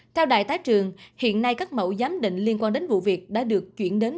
theo đại tá trường hiện nay các mẫu giám định liên quan đến vụ việc đã được chuyển đến